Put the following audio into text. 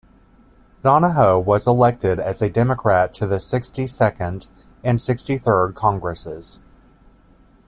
Donohoe was elected as a Democrat to the Sixty-second and Sixty-third Congresses.